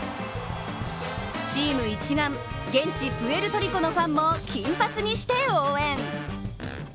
チーム一丸、現地プエルトリコのファンも金髪にして応援。